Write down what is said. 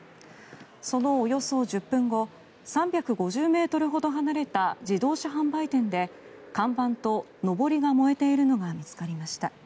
そのおよそ１０分後３５０ｍほど離れた自動車販売店で看板とのぼりが燃えているのが見つかりました。